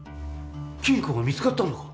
金庫が見つかったのか！？